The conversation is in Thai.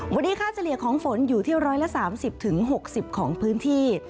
วันนี้ค่าเฉลี่ยของฝนอยู่ที่๑๓๐๖๐ของพื้นที่